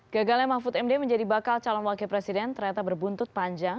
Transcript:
gagalnya mahfud md menjadi bakal calon wakil presiden ternyata berbuntut panjang